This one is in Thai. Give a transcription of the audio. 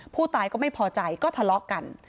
ผู้ตายก็ไม่พอใจก็ทะเลาะกัน